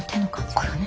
これね。